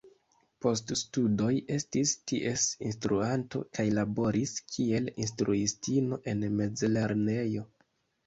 Post studoj estis ties instruanto kaj laboris kiel instruistino en mezlernejo.